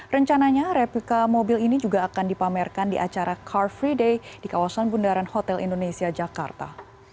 rencananya replika mobil ini juga akan dipamerkan di acara car free day di kawasan bundaran hotel indonesia jakarta